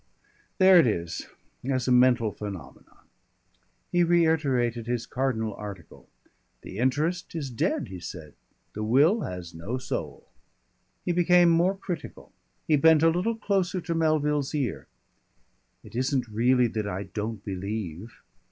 There it is as a mental phenomenon!" He reiterated his cardinal article. "The interest is dead," he said, "the will has no soul." He became more critical. He bent a little closer to Melville's ear. "It isn't really that I don't believe.